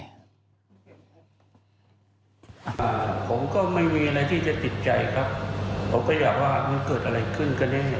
ผมก็ไม่มีอะไรที่จะติดใจครับผมก็อยากว่ามันเกิดอะไรขึ้นกันแน่